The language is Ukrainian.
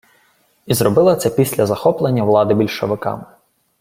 І зробила це після захоплення влади більшовиками